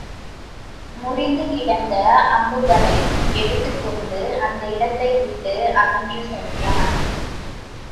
முரிந்து கிடந்த அம்புகளையும் எடுத்துக்கொண்டு, அந்த இடத்தை விட்டு அகன்று சென்றான்.